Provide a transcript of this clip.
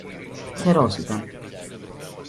Καιρός ήταν